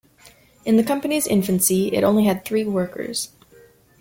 In the company's infancy, it only had three workers.